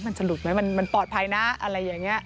มันจะหลุดไหมมันปลอดภัยนะอะไรอย่างนี้